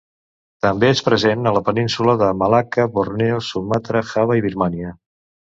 També és present a la Península de Malacca, Borneo, Sumatra, Java i Birmània.